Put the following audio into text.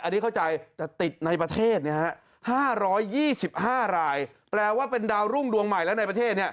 อันนี้เข้าใจแต่ติดในประเทศ๕๒๕รายแปลว่าเป็นดาวรุ่งดวงใหม่แล้วในประเทศ